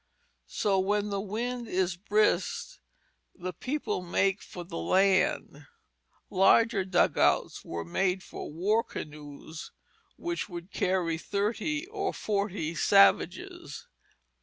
So when the wind is brisk the people make for the land. Larger dugouts were made for war canoes which would carry thirty or forty savages."